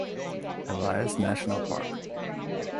Elias National Park.